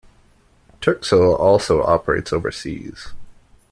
Turkcell also operates overseas.